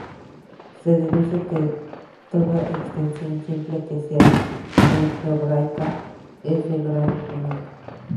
Se deduce que toda extensión simple que sea algebraica es de grado finito.